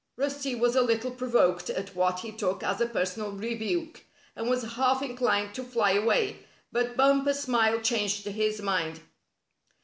Rusty was a little provoked at what he took as a personal rebuke, and was half inclined to fly away; but Bumper's smile changed his mind.